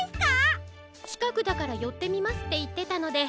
「ちかくだからよってみます」っていってたのでよくおぼえているの。